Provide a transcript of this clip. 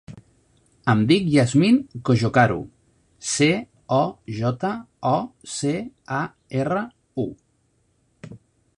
Em dic Yasmine Cojocaru: ce, o, jota, o, ce, a, erra, u.